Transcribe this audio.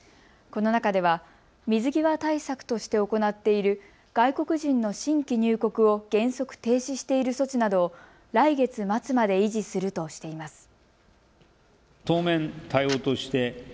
この中では水際対策として行っている外国人の新規入国を原則停止している措置などを来月末まで維持するとしています。